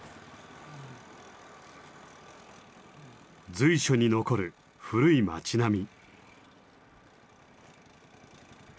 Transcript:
随所に残る古い街並み。